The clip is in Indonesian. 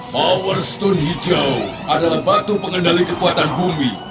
power stone hijau adalah batu pengendali kekuatan bumi